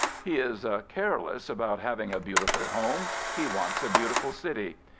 He is careless about having a b eautifuLhome; he wants a beautiful city.